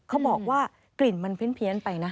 เขาบอกว่ากลิ่นมันเพี้ยนไปนะ